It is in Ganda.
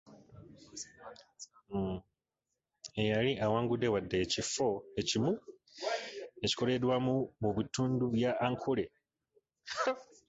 Eyali awangudde wadde ekifo ekimu ekironderwamu mu bitundu bya Ankole